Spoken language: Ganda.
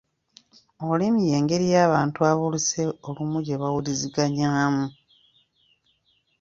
Olulimi y’engeri ey’abantu ab’oluse olumu gye bawuliziganyaamu.